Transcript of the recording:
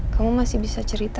kamu masih bisa cek suara